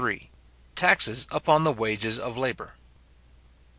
—Taxes upon the Wages of Labour.